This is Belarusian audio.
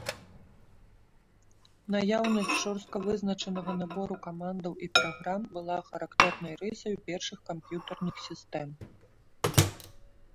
Наяўнасць жорстка вызначанага набору камандаў і праграм была характэрнай рысаю першых камп'ютарных сістэм.